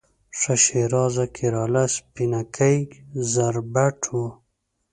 ښه ښېرازه کیراله، سپینکۍ زربټ و